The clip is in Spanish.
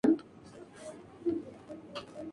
En Matanzas siguió tocando con Gottschalk.